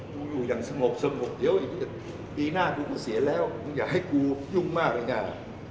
อยู่อย่างสงบสงบเดี๋ยวอีกปีหน้ากูก็เสียแล้วมึงอยากให้กูยุ่งมากเลยนะ